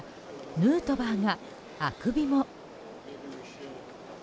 ヌートバーがあくびを。